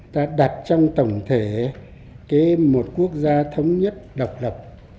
ta đặt trong tổng thể một quốc gia thống nhất độc lập